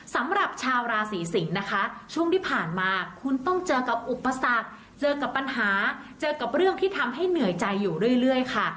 สำหรับชาวราศีสิงศ์นะคะช่วงที่ผ่านมาคุณต้องเจอกับอุปสรรคเจอกับปัญหาเจอกับเรื่องที่ทำให้เหนื่อยใจอยู่เรื่อยค่ะ